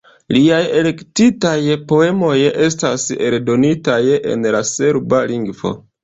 Liaj elektitaj poemoj estas eldonitaj en la serba lingvo.